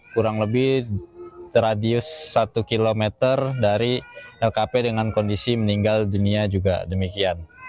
kurang lebih radius satu km dari lkp dengan kondisi meninggal dunia juga demikian